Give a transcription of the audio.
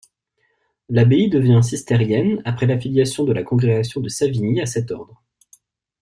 L'abbaye devient cistercienne après l'affiliation de la congrégation de Savigny à cet ordre.